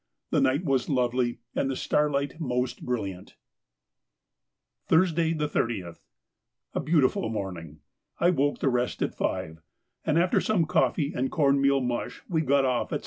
The night was lovely and the starlight most brilliant. Thursday, the 30th.—A beautiful morning. I woke the rest at five, and after some coffee and corn meal mush we got off at 6.